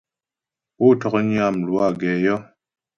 Pó ntɔ̌knyə́ a mlwâ gɛ yɔ́.